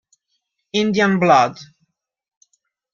Indian Blood